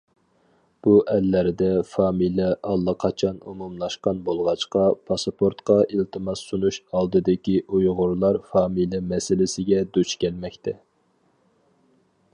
بۇ ئەللەردە فامىلە ئاللىقاچان ئومۇملاشقان بولغاچقا پاسپورتقا ئىلتىماس سۇنۇش ئالدىدىكى ئۇيغۇرلار فامىلە مەسىلىسىگە دۇچ كەلمەكتە.